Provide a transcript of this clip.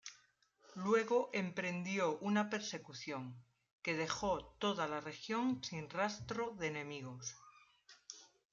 Luego emprendió una persecución, que dejó toda la región sin rastro de enemigos.